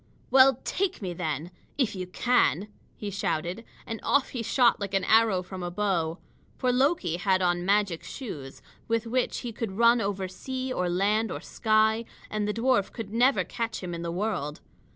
"Well, take me, then if you can!" he shouted. And off he shot like an arrow from a bow. For Loki had on magic shoes, with which he could run over sea or land or sky; and the dwarf could never catch him in the world.